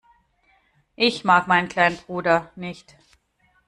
Ich mag meinen kleinen Bruder nicht.